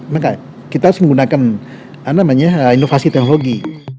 maka kita harus menggunakan inovasi teknologi